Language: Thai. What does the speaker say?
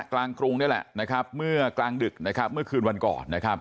กรุงนี่แหละนะครับเมื่อกลางดึกนะครับเมื่อคืนวันก่อนนะครับ